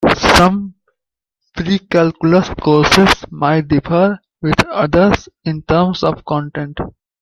Some precalculus courses might differ with others in terms of content.